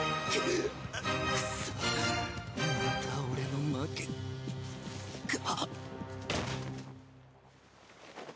クソまた俺の負けか。